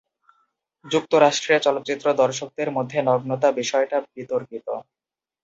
যুক্তরাষ্ট্রে চলচ্চিত্র-দর্শকদের মধ্যে নগ্নতা বিষয়টা বিতর্কিত।